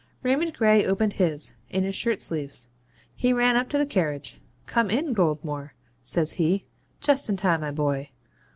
Raymond Gray opened his in his shirt sleeves. He ran up to the carriage. 'Come in, Goldmore,' says he; 'just in time, my boy.